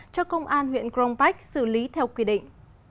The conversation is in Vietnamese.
cho công an huyện cronbach xử lý theo quy định